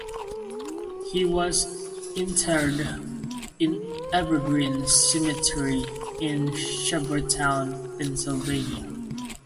He was interred in Evergreen Cemetery in Shavertown, Pennsylvania.